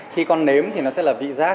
khi con nếm thì nó sẽ là vị giác